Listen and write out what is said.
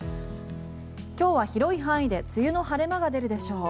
今日は広い範囲で梅雨の晴れ間が出るでしょう。